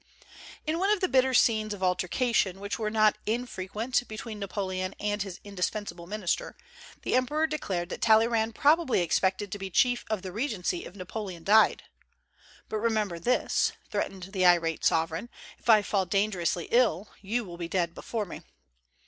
In one of the bitter scenes of altercation which were not infrequent between Napoleon and his indispensable minister, the emperor de clared that Talleyrand probably expected to be chief of the regency if Napoleon died. "But remember this," threatened the irate sovereign, "if I fall dangerously ill, you will be dead be fore me."